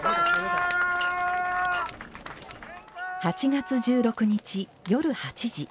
８月１６日、夜８時。